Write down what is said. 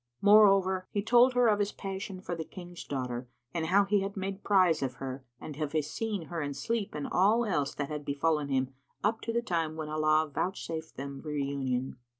Moreover, he told her of his passion for the King's daughter and how he had made prize of her and of his seeing her[FN#81] in sleep and all else that had befallen him up to the time when Allah vouchsafed them reunion.